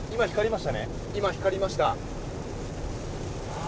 今、光りました。